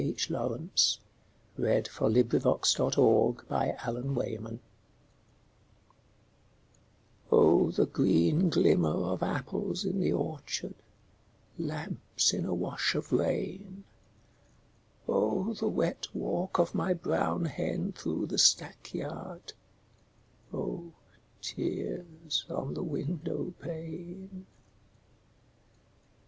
H. LAWRENCE D. H. LAWRENCE BALLAD OF ANOTHER OPHELIA Oh, the green glimmer of apples in the orchard, Lamps in a wash of rain, Oh, the wet walk of my brown hen through the stackyard, Oh, tears on the window pane!